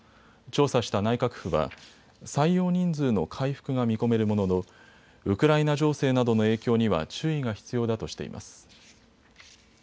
調査した内閣府は採用人数の回復が見込めるもののウクライナ情勢などの影響には注意が必要だとしています。